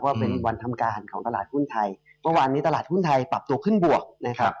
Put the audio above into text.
ว่าเป็นวันทำการของตลาดหุ้นไทยเมื่อวานนี้ตลาดหุ้นไทยปรับตัวขึ้นบวกนะครับ